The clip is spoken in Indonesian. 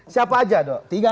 siapa aja dok